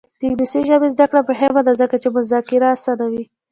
د انګلیسي ژبې زده کړه مهمه ده ځکه چې مذاکره اسانوي.